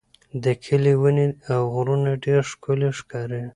د کلي ونې او غرونه ډېر ښکلي ښکاري.